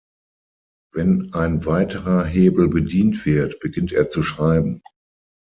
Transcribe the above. Wenn ein weiterer Hebel bedient wird, beginnt er zu schreiben.